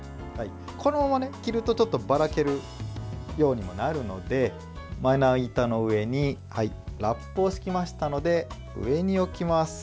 このまま切ると、ちょっとバラけるようにもなるのでまな板の上にラップを敷きましたので上に置きます。